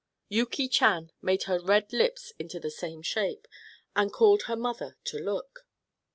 Yuki Chan made her red lips into the same shape, and called her mother to look.